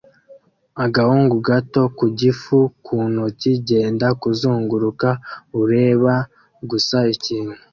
Agahungu gato ku gifu ku ntoki genda kuzunguruka ureba gusa ikintu